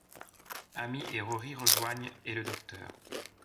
Amy et Rory rejoignent et le Docteur.